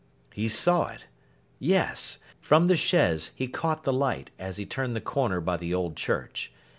He saw it—Yes! From the chaise he caught the light, as he turned the corner by the old church.